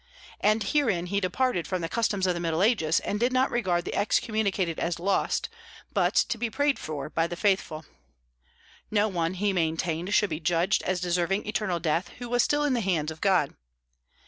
And herein he departed from the customs of the Middle Ages, and did not regard the excommunicated as lost, but to be prayed for by the faithful. No one, he maintained, should be judged as deserving eternal death who was still in the hands of God.